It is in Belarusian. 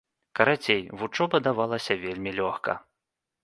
Карацей, вучоба давалася вельмі лёгка.